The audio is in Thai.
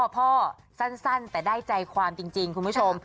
พ่อสั้นแต่ได้ใจความจริงคุณผู้ชม